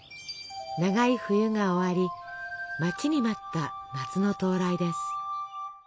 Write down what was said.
長い冬が終わり待ちに待った夏の到来です。